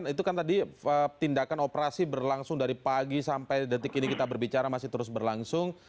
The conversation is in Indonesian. itu kan tadi tindakan operasi berlangsung dari pagi sampai detik ini kita berbicara masih terus berlangsung